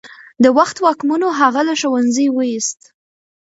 د وخت واکمنو هغه له ښوونځي ویست.